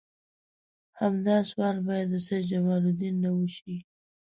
همدا سوال باید د سید جمال الدین نه وشي.